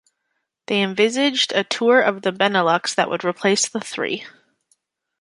They envisaged a Tour of the Benelux that would replace the three.